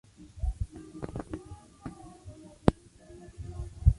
Cyr nació en Saint-Cyprien-de-Napierville en Quebec, Canadá.